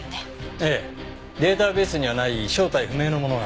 ええデータベースにはない正体不明のものが。